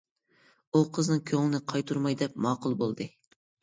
ئۇ قىزنىڭ كۆڭلىنى قايتۇرماي دەپ ماقۇل بولدى.